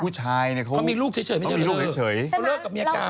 ผู้ชายเขามีลูกเฉยเขาเลิกกับเมียเก่า